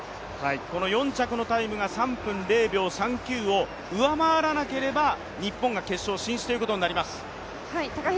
この４着のタイムが３分０秒３９を上回らなければ日本が決勝進出ということになります。